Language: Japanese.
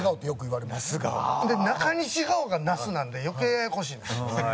顔が那須なんで余計ややこしいんです。